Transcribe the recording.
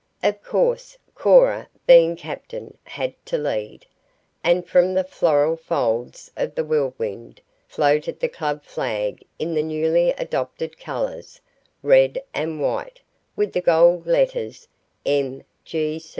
Of course, Cora, being captain, had to lead, and from the floral folds of the Whirlwind floated the club flag in the newly adopted colors, red and white, with the gold letters, M.